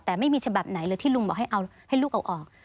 แต่ไม่มีฉบับไหนแล้วที่ลุงบอกให้ลูกเอาออก